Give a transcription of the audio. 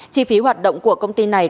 chi phí hoạt động của công ty này